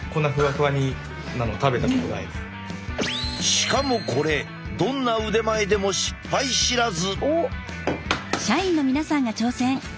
しかもこれどんな腕前でも失敗知らず。